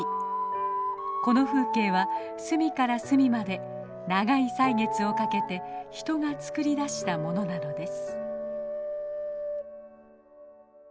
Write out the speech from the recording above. この風景は隅から隅まで長い歳月をかけて人が作り出したものなのです。